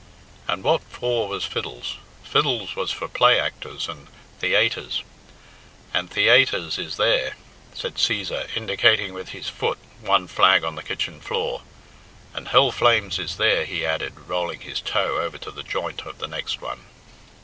And what for was fiddles? Fiddles was for play actors and theaytres. "And theaytres is there," said Cæsar, indicating with his foot one flag on the kitchen floor, "and hell flames is there," he added, rolling his toe over to the joint of the next one.